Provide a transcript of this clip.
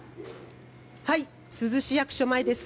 珠洲市役所前です。